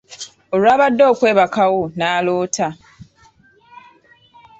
Olwabadde okwebakawo n'aloota.